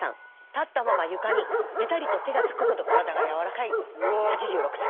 立ったまま床にぺたりと手がつくほど体がやわらかい８６歳。